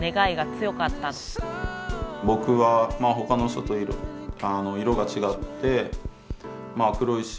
僕はほかの人と色が違ってまあ黒いし。